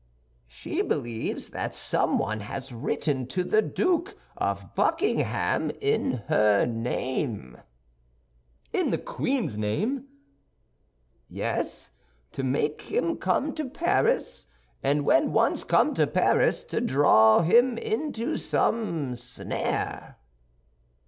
"She believes that someone has written to the Duke of Buckingham in her name." "In the queen's name?" "Yes, to make him come to Paris; and when once come to Paris, to draw him into some snare."